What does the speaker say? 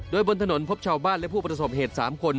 โดยบนถนนพบชาวบ้านและผู้ประสบเหตุ๓คน